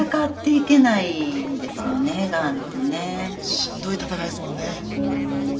しんどい闘いですもんね。